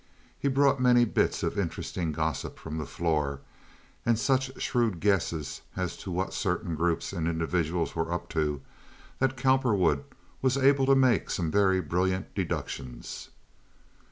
He brought many bits of interesting gossip from the floor, and such shrewd guesses as to what certain groups and individuals were up to, that Cowperwood was able to make some very brilliant deductions.